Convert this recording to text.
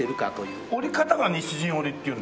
織り方が西陣織っていうんですか？